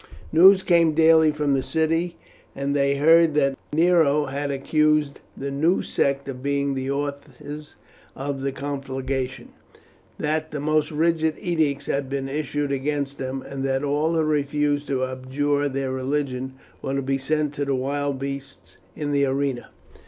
News came daily from the city, and they heard that Nero had accused the new sect of being the authors of the conflagration, that the most rigid edicts had been issued against them, and that all who refused to abjure their religion were to be sent to the wild beasts in the arena.